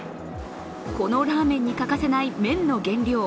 このラーメンに欠かせない麺の原料